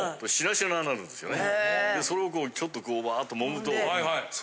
それをこうちょっとこうバーッと揉むと。